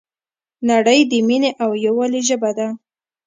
نړۍ د مینې او یووالي ژبه ده.